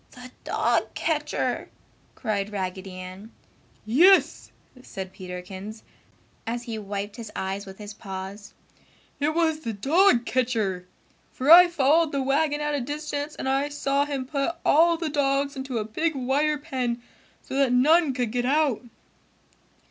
"The Dog Catcher!" cried Raggedy Ann. "Yes!" said Peterkins, as he wiped his eyes with his paws. "It was the dog catcher! For I followed the wagon at a distance and I saw him put all the dogs into a big wire pen, so that none could get out!"